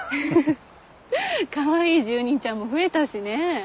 かわいい住人ちゃんも増えたしね。